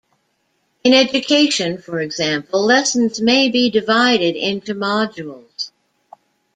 In education, for example, lessons may be divided into modules.